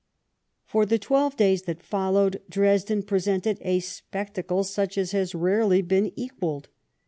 For the twelve days that followed, Dresden presented a spectacle such as has rarely been equalled.